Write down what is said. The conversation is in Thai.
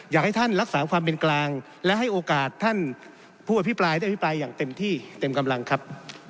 อยากให้ท่านรักษาความเป็นกลางและให้โอกาสท่านผู้อภิปรายได้อภิปรายอย่างเต็มที่เต็มกำลังครับ